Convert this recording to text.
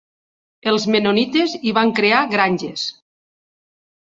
Els Mennonites hi van crear granges.